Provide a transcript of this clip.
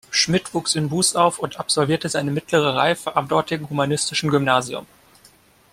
Schmitt wuchs in Bous auf und absolvierte seine Mittlere Reife am dortigen Humanistischen Gymnasium.